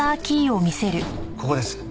ここです。